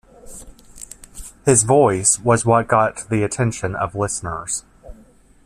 His voice was what got the attention of listeners.